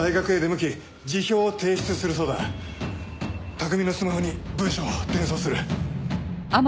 拓海のスマホに文書を転送する。